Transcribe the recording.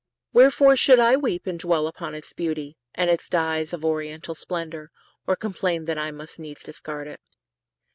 Wherefore should I weep And dwell upon its beauty, and its dyes Of oriental splendor, or complain That I must needs discard it?